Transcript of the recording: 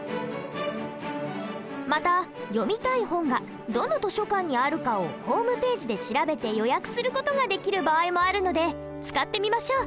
また読みたい本がどの図書館にあるかをホームページで調べて予約する事ができる場合もあるので使ってみましょう！